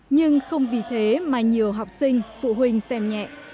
nhưng không vì thế mà nhiều học sinh phụ huynh xem nhẹ